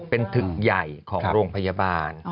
เป็นถึงใหญ่ของโรงพยาบาล